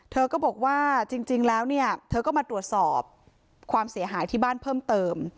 เธอก็บอกว่าจริงแล้วเนี่ยเธอก็มาตรวจสอบความเสียหายที่บ้านเพิ่มเติม